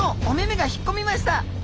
お目々が引っ込みました。